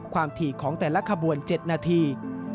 ถี่ของแต่ละขบวน๗นาที